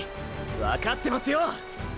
わかってますよォ！！